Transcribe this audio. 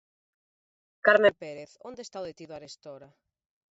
Carmen Pérez, onde está o detido arestora?